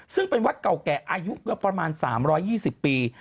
ซึ่งเป็นวัดเก่าแก่อายุประมาณ๓๒๐ปี